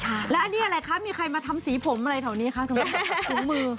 ใช่แล้วอันนี้อะไรคะมีใครมาทำสีผมอะไรแถวนี้คะทำไมถุงมือ